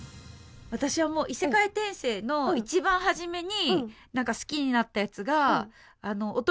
私はもう異世界転生の一番初めに好きになったやつが。